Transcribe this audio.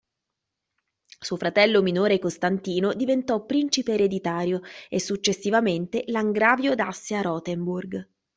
Suo fratello minore Costantino diventò Principe Ereditario e successivamente Langravio d'Assia-Rotenburg.